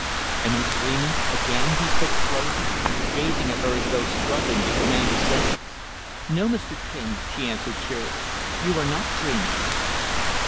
"Am I dreaming, again?" he said slowly, gazing at her as though struggling to command his senses. "No, Mr. King," she answered cheerily, "you are not dreaming."